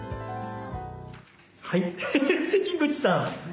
はい関口さん。